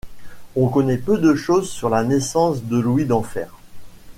On connaît peu de choses sur la naissance de Louis Denfert.